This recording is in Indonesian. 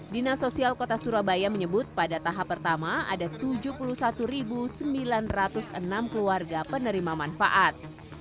dinas sosial kota surabaya menyebut pada tahap pertama ada tujuh puluh satu sembilan ratus enam keluarga penerima manfaat